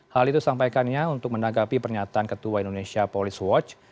hal itu sampaikannya untuk menanggapi pernyataan ketua indonesia police watch